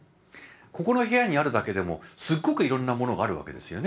ここの部屋にあるだけでもすごくいろんなものがあるわけですよね。